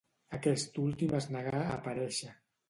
Aquest últim es negà a aparèixer.